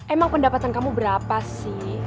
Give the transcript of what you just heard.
emang pendapatan kamu berapa sih